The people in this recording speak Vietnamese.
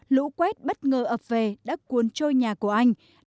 lũ quét bất ngờ ập về đã cuốn trôi nhà của anh